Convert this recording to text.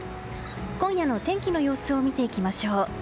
今夜の天気の様子を見ていきましょう。